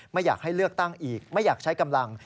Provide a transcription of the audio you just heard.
ไม่อยากให้เลือกตั้งอีกไม่อยากใช้กำลัง